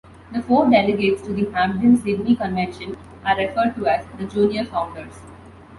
The four delegates to the Hampden-Sydney Convention are referred to as the Junior Founders.